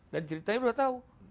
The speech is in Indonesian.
dan ceritanya sudah tahu